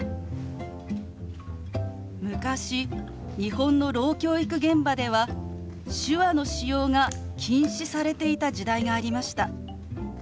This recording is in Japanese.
昔日本のろう教育現場では手話の使用が禁止されていた時代がありました。